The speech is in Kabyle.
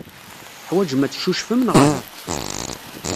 Teḥwajem ad teccucfem, neɣ uhu?